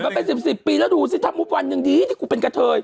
มันผ่านมาไป๑๐ปีแล้วดูสิทำทุกวันยังดีที่กูเป็นกะเทย